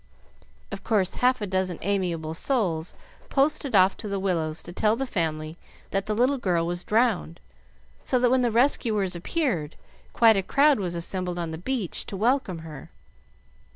Of course half a dozen amiable souls posted off to the Willows to tell the family that the little girl was drowned, so that when the rescuers appeared quite a crowd was assembled on the beach to welcome her.